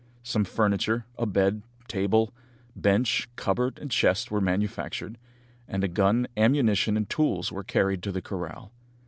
Some furniture, a bed, table, bench, cupboard, and chest, were manufactured, and a gun, ammunition, and tools were carried to the corral.